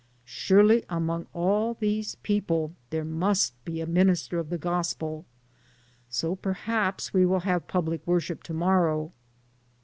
Surely, among all these people there must be a minister of the Gospel, so perhaps we will have public wor ship to morrow.